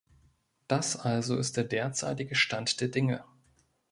Das also ist der derzeitige Stand der Dinge.